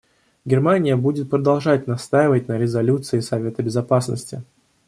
Германия будет продолжать настаивать на резолюции Совета Безопасности.